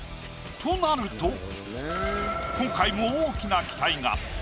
となると今回も大きな期待が。